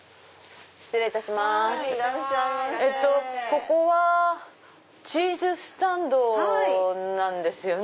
ここはチーズスタンドなんですよね。